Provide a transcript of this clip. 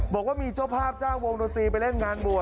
บอกว่ามีเจ้าภาพจ้างวงดนตรีไปเล่นงานบวช